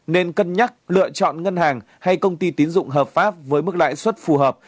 nên cân nhắc lựa chọn ngân hàng hay công ty tín dụng hợp pháp với mức lãi suất phù hợp